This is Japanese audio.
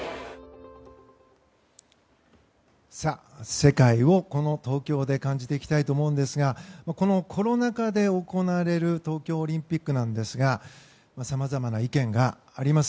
世界をこの東京で感じていきたいと思うんですがこのコロナ禍で行われる東京オリンピックなんですがさまざまな意見があります。